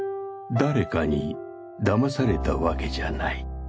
誰かにだまされたわけじゃない。